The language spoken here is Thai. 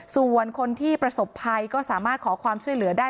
ส่วนคนที่ประสบภัยก็สามารถขอความช่วยเหลือได้